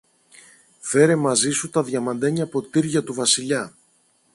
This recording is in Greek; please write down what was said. Φέρε μαζί σου τα διαμαντένια ποτήρια του Βασιλιά